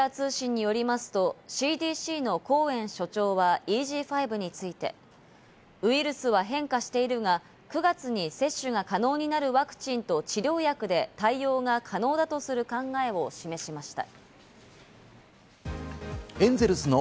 ロイター通信によりますと、ＣＤＣのコーエン所長はＥＧ．５についてウイルスは変化しているが、９月に接種が可能になるワクチンと治療薬で対応が可能だとする考えを示しました。